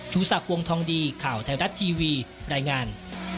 สักวงทองดีข่าวไทยรัฐทีวีรายงาน